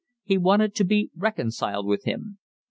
He wanted to be reconciled with him.